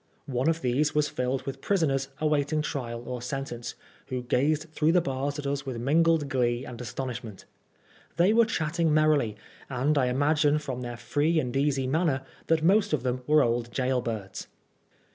One of these was filled with prisoners await ing trial or sentence, who gazed through the bars at ns with mingled glee and astonishment. They were chatting merrily, and I imagine from their free and easy manner that most of them were old gaol birds.